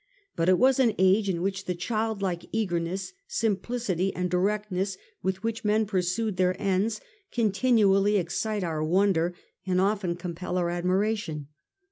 But it was an age in which the childlike eagerness, simplicity and directness with which men pursued their ends continually excite our wonder, and often compel our admiration.